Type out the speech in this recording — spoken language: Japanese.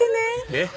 えっ！？